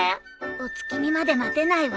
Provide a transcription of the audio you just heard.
お月見まで待てないわ。